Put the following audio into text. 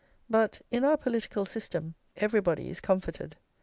But in our political system everybody is comforted.